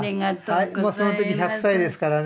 もうその時１００歳ですからね。